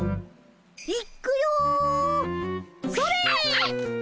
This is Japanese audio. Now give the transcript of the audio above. いっくよそれっ！